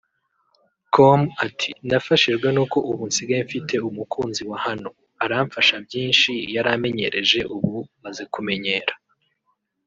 com ati “Nafashijwe nuko ubu nsigaye mfite umukunzi wa hano aramfasha byinshi yaramenyereje ubu maze kumenyera